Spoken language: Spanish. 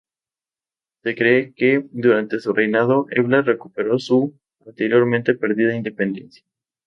Se cree que, durante su reinado, Ebla recuperó su anteriormente perdida independencia.